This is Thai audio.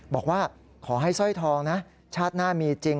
บอกว่าขอให้สร้อยทองนะชาติหน้ามีจริง